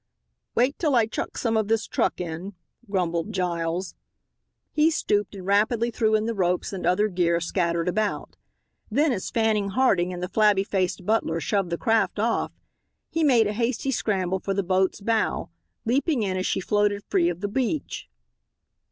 "Wait till I chuck some of this truck in," grumbled Giles. He stooped and rapidly threw in the ropes and other gear scattered about. Then as Fanning Harding and the flabby faced butler shoved the craft off he made a hasty scramble for the boat's bow, leaping in as she floated free of the beach.